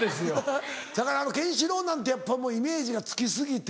せやからケンシロウなんてやっぱもうイメージが付き過ぎて。